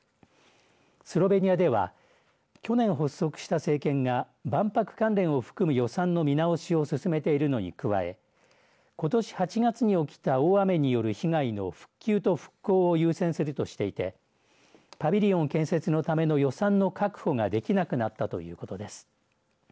スロベニアでは去年発足した政権が万博関連を含む予算の見直しを進めているのに加えことし８月に起きた大雨による被害の復旧と復興を優先するとしていてパビリオン建設のための予算の確保ができなくなったということです。